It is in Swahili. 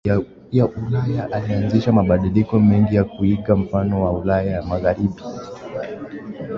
ya Ulaya Alianzisha mabadiliko mengi ya kuiga mfano wa Ulaya ya Magharibi